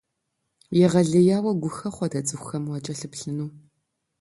Егъэлеяуэ гухэхъуэт а цӏыкӏухэм уакӏэлъыплъыну!